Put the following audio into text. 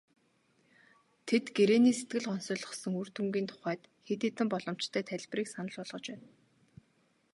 Тэд гэрээний сэтгэл гонсойлгосон үр дүнгийн тухайд хэд хэдэн боломжтой тайлбарыг санал болгож байна.